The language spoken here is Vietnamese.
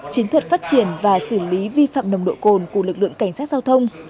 chiến thuật phát triển và xử lý vi phạm nồng độ cồn của lực lượng cảnh sát giao thông